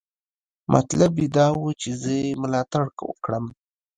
مطلب یې دا و چې زه یې ملاتړ وکړم.